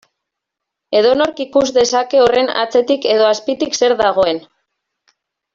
Edonork ikus dezake horren atzetik edo azpitik zer dagoen.